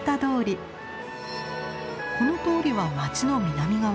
この通りは街の南側。